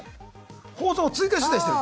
放送後追加取材してる。